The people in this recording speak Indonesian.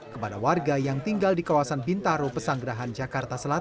kepada warga yang tinggal di kawasan bintaro pesanggerahan jakarta